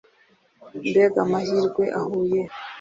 Mbega amahirwe ahuye